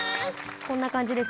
こんな感じですね。